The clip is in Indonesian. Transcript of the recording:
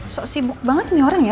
so sibuk banget nih orang ya